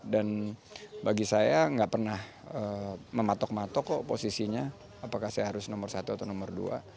dan bagi saya nggak pernah mematok matok kok posisinya apakah saya harus nomor satu atau nomor dua